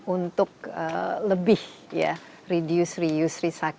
untuk lebih reduce reuse resag